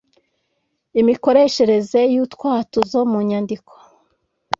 Imikoreshereze y utwatuzo munyandiko